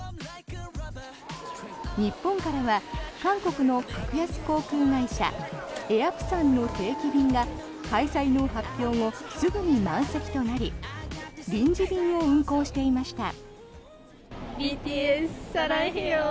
日本からは韓国の格安航空会社エアプサンの定期便が開催の発表後すぐに満席となり臨時便を運航していました。